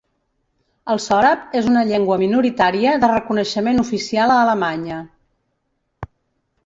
El sòrab és una llengua minoritària de reconeixement oficial a Alemanya.